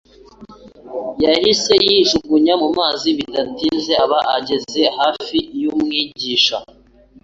yahise yijugunya mu mazi bidatinze aba ageze hafi y'Umwigisha.